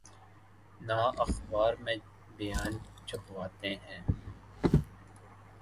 نہ اخبار میں بیان چھپواتے ہیں۔